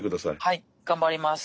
はい頑張ります。